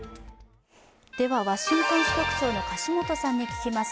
ワシントン支局長の樫元さんに聞きます